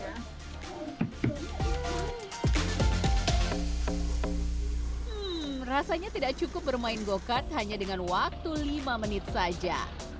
hmm rasanya tidak cukup bermain go kart hanya dengan waktu lima menit saja